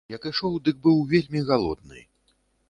Як ішоў, дык быў вельмі галодны.